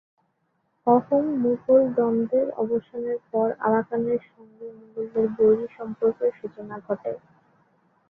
অহোম-মুঘল দ্বন্দ্বের অবসানের পর আরাকানের সঙ্গে মুঘলদের বৈরী সম্পর্কের সূচনা ঘটে।